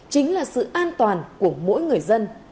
chính là sự an toàn của mỗi người dân